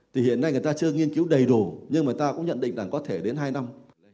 thì hiện nay người ta chưa nghiên cứu đầy đủ nhưng mà ta cũng nhận định rằng có thể đến hai năm